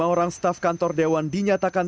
lima orang staf kantor dewan dinyatakan